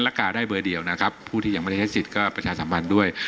และกาได้เบอร์เดียวนะครับผู้ที่ยังไม่ได้ใช้สิทธิ์ก็ประชาสัมพันธ์ด้วย